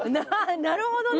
なるほどね。